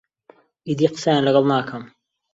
ئیدی قسەیان لەگەڵ ناکەم.